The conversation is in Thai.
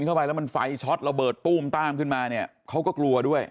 เข้าไปแล้วมันไฟช็อตระเบิดตู้มตามขึ้นมาเนี่ยเขาก็กลัวด้วย